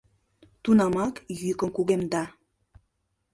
Тунамак йӱкым кугемда.